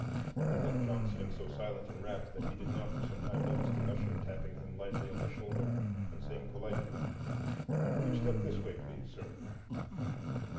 It left John sitting so silent and rapt that he did not for some time notice the usher tapping him lightly on the shoulder and saying politely, "Will you step this way, please, sir?"